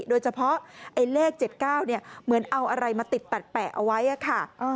โดยเฉพาะไอ้เลข๗๙เหมือนเอาอะไรมาติดตัดแปะเอาไว้ค่ะ